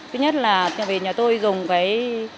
thứ nhất là vì nhà tôi dùng cái